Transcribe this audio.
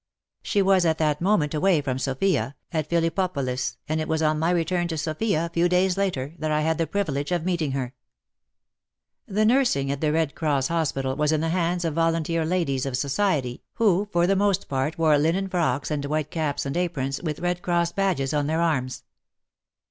She was at that moment away from Sofia, at Phillippopolis, and it was on my return to Sofia, a few days later, that I had the privilege of meeting her. The nursing at the Red Cross Hospital was in the hands of volunteer ladies of society, •«•«••'«.,,■'•, i ~ J •* l ^'i A Mosque in Sofia. WAR AND WOMEN 35 who for the most part wore linen frocks and white caps and aprons, with Red Cross badges on their arms.